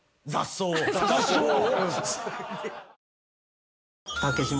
雑草を。